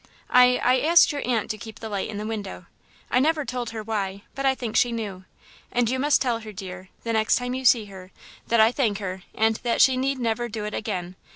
"I I asked your aunt to keep the light in the window. I never told her why, but I think she knew, and you must tell her, dear, the next time you see her, that I thank her, and that she need never do it again.